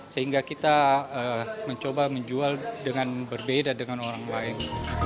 sehingga kita mencoba menjual dengan berbeda dengan orang lain